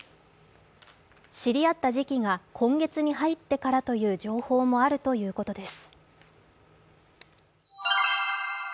知り合った時期が今月に入ってからという情報もあるということです。